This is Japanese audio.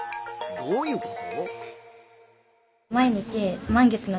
どういうこと？